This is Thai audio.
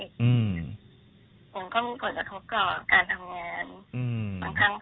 ต้องเป็นสนุกก่อการทำงาน